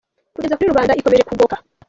Kugeza kuri rubanda ikomeje ku goka.